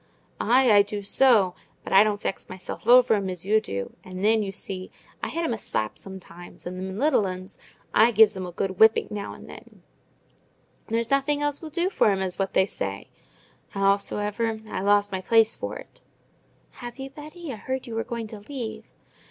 "Ay, I do so! But I don't vex myself o'er 'em as you do. And then, you see, I hit 'em a slap sometimes: and them little 'uns—I gives 'em a good whipping now and then: there's nothing else will do for 'em, as what they say. Howsoever, I've lost my place for it." "Have you, Betty? I heard you were going to leave."